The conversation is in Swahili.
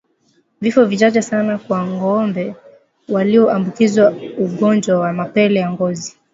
Vifo vichache sana kwa ngoombe walioambukizwa ugonjwa wa mapele ya ngozi